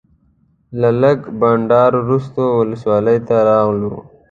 له لږ بانډار وروسته ولسوالۍ ته راغلو.